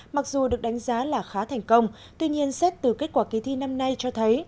mặc dù được đánh giá là khá thành công tuy nhiên xét từ kết quả kỳ thi năm nay cho thấy